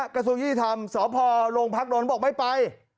กระทรวงยุทธิธรรมสอบพอลงพักล้อนบอกไม่ไป